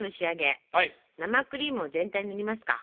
生クリームを全体に塗りますか。ＯＫ！